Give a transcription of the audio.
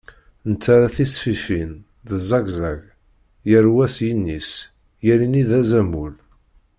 Nettarra tisfifin, d zagzag, yal wa s yini-s, yal ini d azamul.